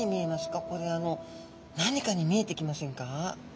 これ何かに見えてきませんか？